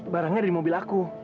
barangnya ada di mobil aku